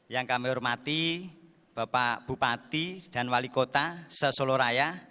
yang kami hormati bapak bupati dan wali kota sesoluraya